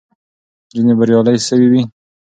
نجونې به بریالۍ سوې وي.